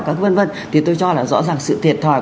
các vân vân thì tôi cho là rõ ràng sự thiệt thòi